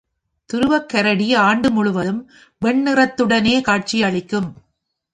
துருவக்கரடி ஆண்டு முழுதும் வெண்ணிறத்துடனே காட்சி அளிக்கும்.